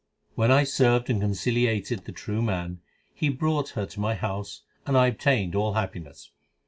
When I served and conciliated the true man, He brought her to my house, and I obtained all happi ness.